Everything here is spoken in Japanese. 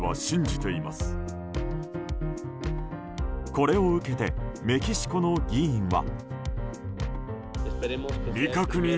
これを受けてメキシコの議員は。